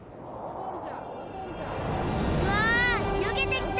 うわよけてきた！